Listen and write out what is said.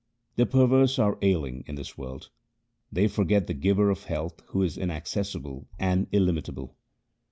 1 The perverse are ailing in this world. They forget the Giver of health who is inaccessible and illimitable.